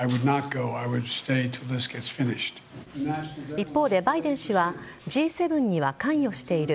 一方でバイデン氏はＧ７には関与している。